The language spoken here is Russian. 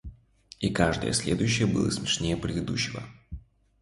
и каждое следующее было смешнее предыдущего.